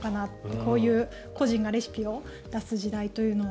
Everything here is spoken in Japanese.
こういう個人がレシピを出す時代というのは。